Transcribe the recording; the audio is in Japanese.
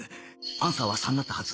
アンサーは３だったはず